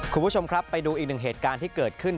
คุณผู้ชมครับไปดูอีกหนึ่งเหตุการณ์ที่เกิดขึ้น